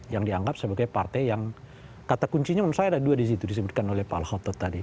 yang dianggap sebagai partai yang kata kuncinya memang saya ada dua disitu disebutkan oleh pak al khattad tadi